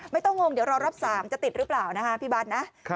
ไม่ต้องงงเดี๋ยวรอบ๓จะติดหรือเปล่านะฮะพี่บัตรนะ